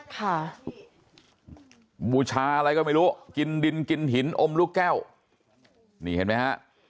บูชาอะไรก็ไม่รู้กินดินกินหินอมลูกแก้วนี่เห็นไหมฮะ